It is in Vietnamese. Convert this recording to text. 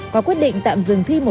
có quyết định tạm dừng thi